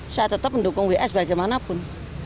saya tetap mendukung ws bagaimanapun